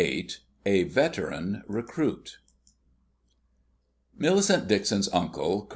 VIII A VETERAN RECRUIT Millicent Dixon's uncle, Col.